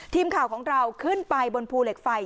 ทีมข่าวของเราขึ้นไปบนภูเหล็กไฟ